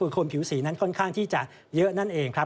คนผิวสีนั้นค่อนข้างที่จะเยอะนั่นเองครับ